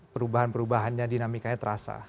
perubahan perubahannya dinamikanya terasa